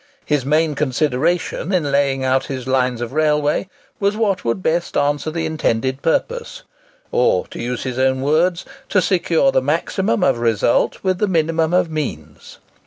His main consideration in laying out his lines of railway was what would best answer the intended purpose, or, to use his own words, to secure the maximum of result with the minimum of means.